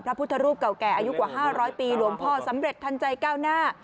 พระพุทธรูปเก่าแก่อายุกว่า๕๐๐ปีหลวงพ่อสำเร็จทันใจก้าวหน้า